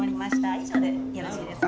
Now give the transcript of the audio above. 以上でよろしいですか？